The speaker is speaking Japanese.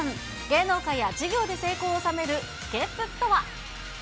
芸能界や事業で成功を収める秘けつとは？